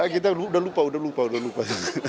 kita sudah lupa sudah lupa